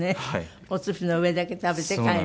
お寿司の上だけ食べて帰る。